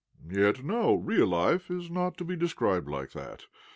Yet no : real life is not to be described like that.